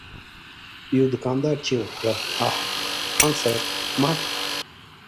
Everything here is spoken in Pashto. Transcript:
يوه دوکاندار چيغه کړه: اه! خان صيب! مه!